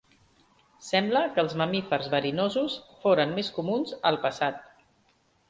Sembla que els mamífers verinosos foren més comuns al passat.